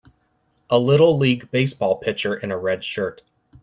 a little league baseball pitcher in a red shirt.